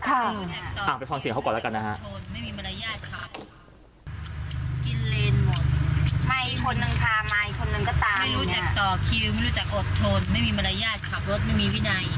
ไปฟังเสียงเขาก่อนแล้วกันนะฮะ